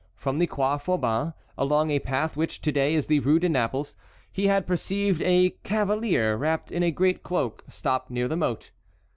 From the Croix Faubin, along a path which to day is the Rue de Naples, he had perceived a cavalier, wrapped in a great cloak, stop near the moat.